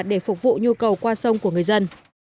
để phục vụ nhu cầu qua sông của người dân